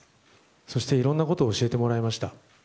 そして、いろんなことを教えてもらいました。